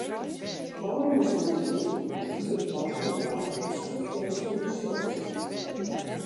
Ofrûne sneontemiddei hat in grut part fan it doarp in skoftlang sûnder stroom sitten.